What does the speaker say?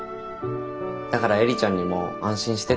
だから映里ちゃんにも安心してって伝えて。